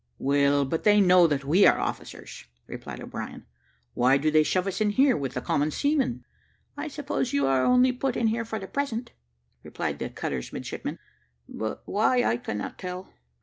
"Well, but they know that we are officers," replied O'Brien; "why do they shove us in here, with the common seamen!" "I suppose you are only put in here for the present," replied the cutter's midshipman; "but why I cannot tell."